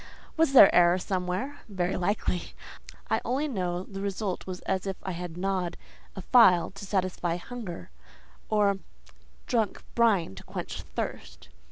Was there error somewhere? Very likely. I only know the result was as if I had gnawed a file to satisfy hunger, or drank brine to quench thirst.